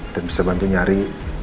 dan bisa bantu nyari